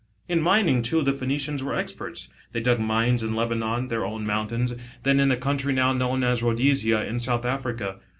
In mining, too, the Phoenicians were experts. They dug mines in Lebanon their own mountains then in the country now known as' lihodesia in South Africa.